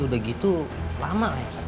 udah gitu lama lah ya